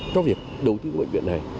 cho việc đầu tư bệnh viện này